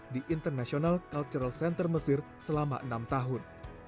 di international cultural center mesir selama enam tahun